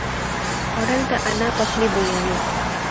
خوړل د انا پخلی بویوي